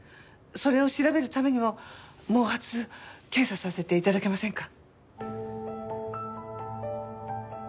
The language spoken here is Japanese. それを調べるためにも毛髪検査させて頂けませんか？